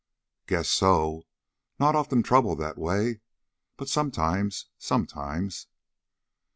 "Guess so; not often troubled that way, but sometimes sometimes."